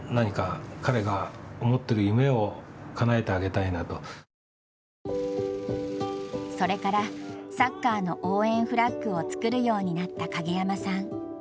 ちょっとそれからサッカーの応援フラッグを作るようになった影山さん。